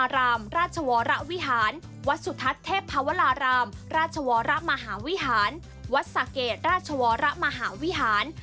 ราชวรรมราชวรมหาวิหารวัดสาเกราชวรรมหาวิหาร